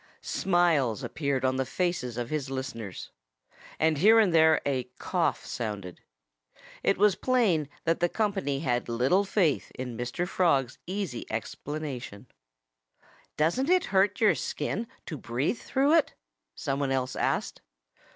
Smiles appeared on the faces of his listeners. And here and there a cough sounded. It was plain that the company had little faith in Mr. Frog's easy explanation. "Doesn't it hurt your skin to breathe through it?" some one else asked.